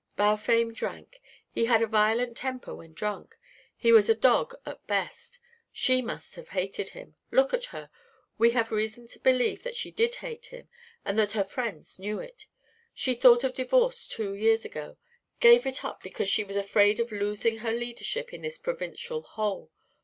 Balfame drank. He had a violent temper when drunk. He was a dog at best. She must have hated him. Look at her. We have reason to believe that she did hate him and that her friends knew it. She thought of divorce two years ago. Gave it up because she was afraid of losing her leadership in this provincial hole.